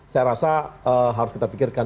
saya rasa harus kita pikirkan